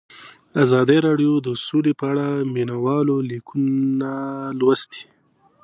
ازادي راډیو د سوله په اړه د مینه والو لیکونه لوستي.